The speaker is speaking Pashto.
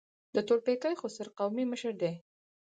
د تورپیکۍ خوسر قومي مشر دی.